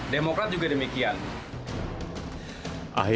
demokrat juga demikian